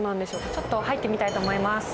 ちょっと入ってみたいと思います。